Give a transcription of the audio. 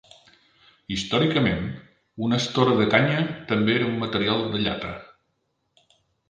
Històricament, una estora de canya també era un material de llata.